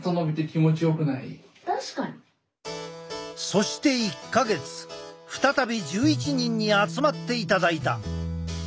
そして再び１１人に集まっていただいた。